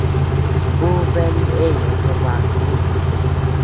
Ú bea ndeyaa no baku.